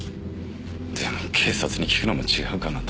でも警察に聞くのも違うかなと思って。